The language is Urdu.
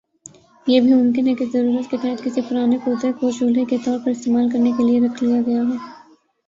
یہ بھی ممکن ہے کہ ضرورت کے تحت کسی پرانے کوزے کو چولہے کے طور پر استعمال کرنے کے لئے رکھ لیا گیا ہو